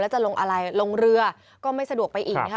จะลงอะไรลงเรือก็ไม่สะดวกไปอีกนะคะ